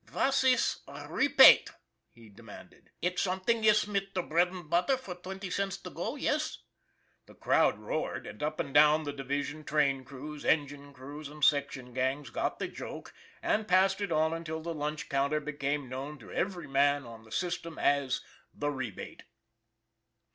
"Vat iss a repate?" he demanded. " It something iss mit der bread und butter for twenty cents to go, yess ?" The crowd roared, and up and down the division train crews, engine crews, and section gangs got the joke and passed it on until the lunch counter became known to every man on the system as "The Rebate."